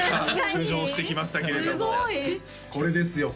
浮上してきましたけれどもこれですよ